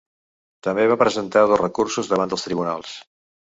També va presentar dos recursos davant dels tribunals.